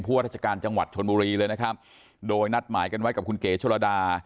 ว่าราชการจังหวัดชนบุรีเลยนะครับโดยนัดหมายกันไว้กับคุณเก๋ชนระดา